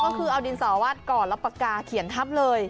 ก็คือเอาดินสอวาดก่อนแล้วปากกาเขียนทับเลย